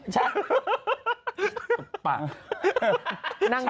ฉัน